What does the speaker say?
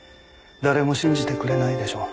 誰も信じてくれないでしょう。